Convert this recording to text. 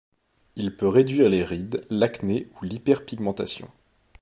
Il peut réduire les rides, l'acné ou l'hyperpigmentation.